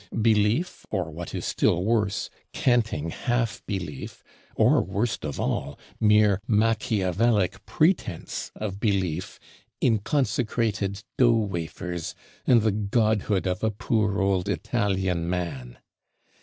Belief, or what is still worse, canting half belief; or worst of all, mere Machiavellic pretense of belief, in consecrated dough wafers, and the godhood of a poor old Italian Man!